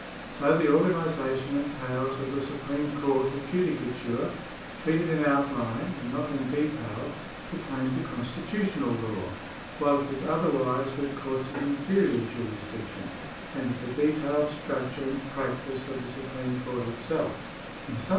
So the organisation and powers of the Supreme Court of Judicature, treated in outline and not in detail, pertain to constitutional law ; while it is otherwise with courts of inferior jurisdiction, and with the detailed structure and practice of the Supreme Coin't itself. In some